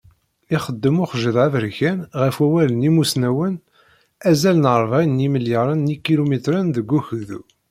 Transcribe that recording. Ixeddem uxjiḍ-a aberkan, ɣef wawal n yimussnawen, azal n rebεin n yimelyaren n yikilumitren deg ukdu.